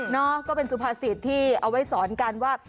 ก็เป็นสุภาษิตที่เอาไว้สอนกันว่า